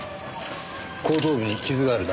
後頭部に傷があるな。